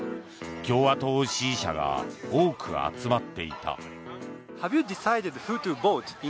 共和党支持者が多く集まっていた。